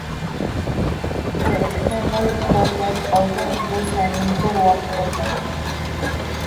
The extended forecast also includes an inshore waters forecast.